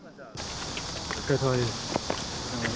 お疲れさまです。